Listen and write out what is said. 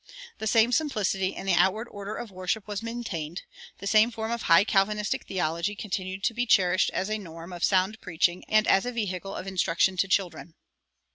The same simplicity in the outward order of worship was maintained; the same form of high Calvinistic theology continued to be cherished as a norm of sound preaching and as a vehicle of instruction to children.